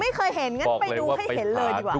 ไม่เคยเห็นงั้นไปดูให้เห็นเลยดีกว่า